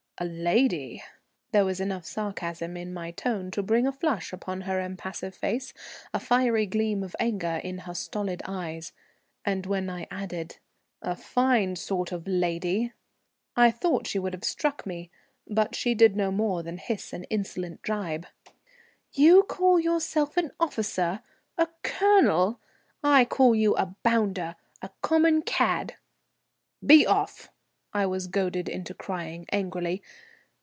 "A lady!" There was enough sarcasm in my tone to bring a flush upon her impassive face, a fierce gleam of anger in her stolid eyes; and when I added, "A fine sort of lady!" I thought she would have struck me. But she did no more than hiss an insolent gibe. "You call yourself an officer, a colonel? I call you a bounder, a common cad." "Be off!" I was goaded into crying, angrily.